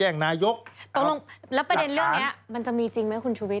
นายกตกลงแล้วประเด็นเรื่องนี้มันจะมีจริงไหมคุณชุวิต